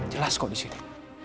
jelas kok disini